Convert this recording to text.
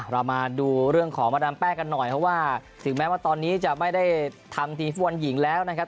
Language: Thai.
เรามาดูเรื่องของมาดามแป้งกันหน่อยเพราะว่าถึงแม้ว่าตอนนี้จะไม่ได้ทำทีมฟุตบอลหญิงแล้วนะครับ